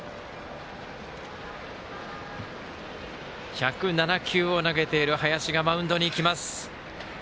１０７球を投げている林がマウンドに行きます。